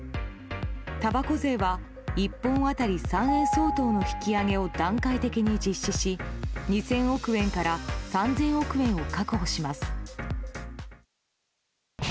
たばこ税は１本当たり３円相当の引き上げを段階的に実施し２０００億円から３０００億円を確保します。